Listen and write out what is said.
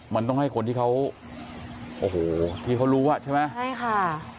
มันต้องให้คนที่เขาโอ้โหที่เขารู้อ่ะใช่ไหมใช่ค่ะ